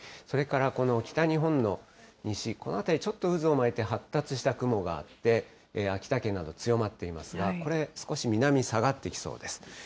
それから北日本の西、この辺り、ちょっと渦を巻いて発達した雲があって、秋田県など強まっていますが、これ、少し南に下がってきそうです。